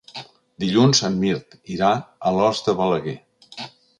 Dilluns en Mirt irà a Alòs de Balaguer.